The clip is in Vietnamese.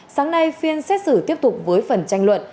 sáng nay phiên xét xử tiếp tục với phần tranh luận